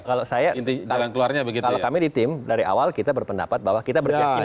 kalau saya kalau kami di tim dari awal kita berpendapat bahwa kita beryakinan ya